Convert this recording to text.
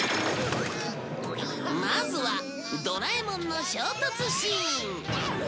まずはドラえもんの衝突シーン